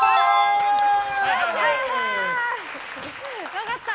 分かった！